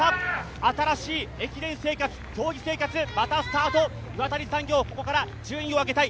新しい駅伝生活、競技生活、またスタート、岩谷産業ここから順位を上げたい。